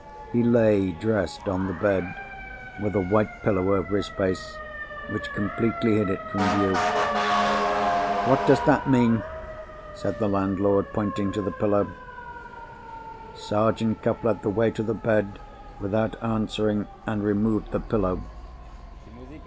He lay, dressed, on the bed—with a white pillow over his face, which completely hid it from view. "What does that mean?" said the landlord, pointing to the pillow. Sergeant Cuff led the way to the bed, without answering, and removed the pillow.